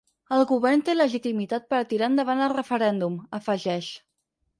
El govern té legitimitat per a tirar endavant el referèndum, afegeix.